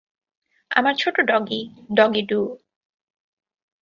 আমার ছোট doggy, doggy, do.